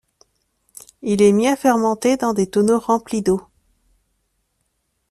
Il est mis à fermenter dans des tonneaux remplis d'eau.